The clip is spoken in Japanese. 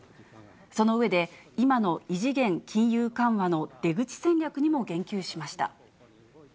その上で、今の異次元金融緩和の出口戦略にも言及しました。